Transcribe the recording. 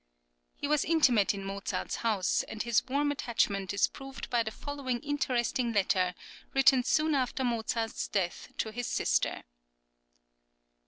He was intimate in Mozart's home, and his warm attachment is proved by the following interesting letter, written soon after Mozart's death to his sister.